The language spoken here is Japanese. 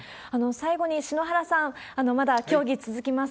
最後に篠原さん、まだ競技続きます。